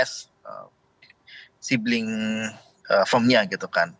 sibling firmnya gitu kan